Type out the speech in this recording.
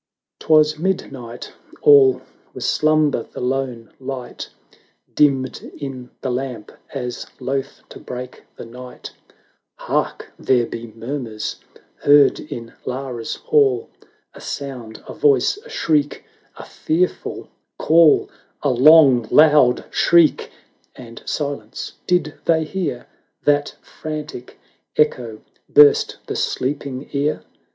200 XII. 'Twas midnight — all was slumber; the lone light Dimmed in the lamp, as loth to break the night. Hark! there be murmurs heard in Lara's hall — A sound — a voice — a shriek — a fear ful call ! A long, loud shriek — and silence — did they hear That frantic echo burst the sleeping ear